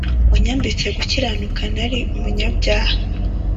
wanyambitse gukiranuka nari umunyabyaha